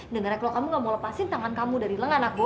dengernya kalau kamu gak mau lepasin tangan kamu dari lengan aku